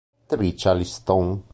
Tricia Liston